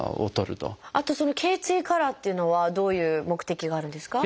あとその頚椎カラーっていうのはどういう目的があるんですか？